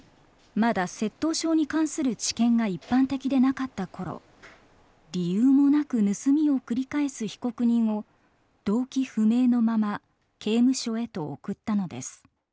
まだ窃盗症に関する知見が一般的でなかった頃理由もなく盗みを繰り返す被告人を動機不明のまま刑務所へと送ったのです。